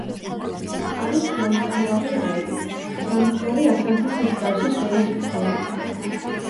არის მომწამლავი აირი, დამწვარი ასანთის მსგავსი სუნის მქონე.